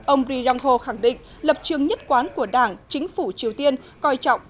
ông ri yong ho khẳng định lập trường nhất quán của đảng chính phủ triều tiên coi trọng